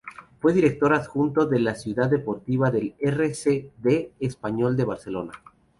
Fue director adjunto de la Ciudad Deportiva del R. C. D. Español de Barcelona.